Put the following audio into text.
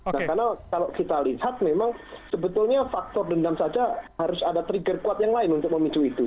karena kalau kita lihat memang sebetulnya faktor dendam saja harus ada trigger kuat yang lain untuk memicu itu